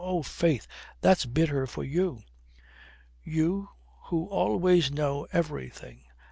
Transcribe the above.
"Oh, faith, that's bitter for you. You who always know everything!